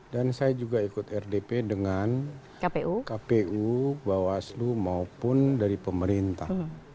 dan saya juga ikut rdp dengan kpu bawaslu maupun dari pemerintah